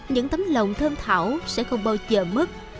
những tấm lòng thơm thảo sẽ không bao giờ mất